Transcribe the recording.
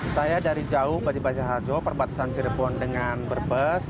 saya dari jauh bajibajah harjo perbatasan cirebon dengan brebes